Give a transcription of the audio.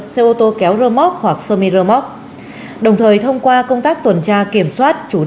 xe ô tô kéo rơ móc hoặc sơ mi rơ móc